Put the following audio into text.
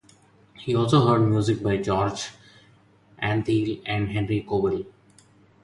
He also heard music by George Antheil and Henry Cowell.